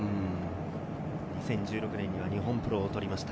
２０１６年には日本プロをとりました。